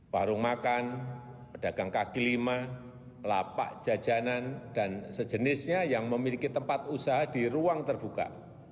warung makan pedagang kaki lima lapak jajanan dan sejenisnya yang memiliki tempat usaha di ruang terbuka